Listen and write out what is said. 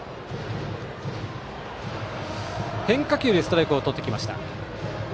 変化球でストライクをとってきました。